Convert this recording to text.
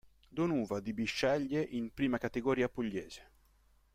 Don Uva di Bisceglie in Prima Categoria pugliese.